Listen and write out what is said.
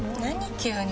急に。